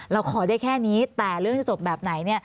เราขอได้แค่นี้แต่เรื่องจะจบแบบไหน